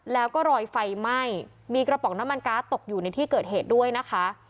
แล้วก็รอยไฟไหม้มีกระป๋องน้ำมันการ์ดตกอยู่ในที่เกิดเหตุด้วยนะคะ